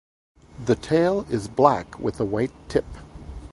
The tail is black with a white tip.